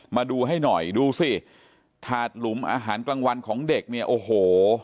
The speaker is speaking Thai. มาดูให้หน่อยดูสิถาดหลุมอาหารกลางวันของเด็กเนี่ยโอ้โห